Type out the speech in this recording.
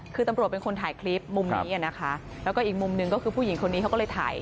คือตำรวจเป็นคนถ่ายคลิปมุมนี้นะคะแล้วก็อีกมุมหนึ่งก็คือผู้หญิงคนนี้เขาก็เลยถ่าย